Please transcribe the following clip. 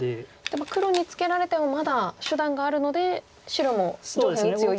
黒にツケられてもまだ手段があるので白も上辺打つ余裕が。